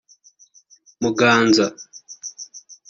Muganza